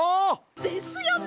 ですよね！